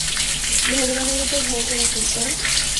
ভগবানের উপর ভরসা রাখেন, স্যার।